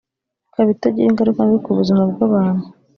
ikaba itagira ingaruka mbi ku buzima bw’abantu